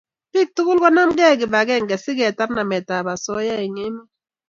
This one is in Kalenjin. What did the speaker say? pik tukul konamkei kipakenge siketar namet ap osoya eng emet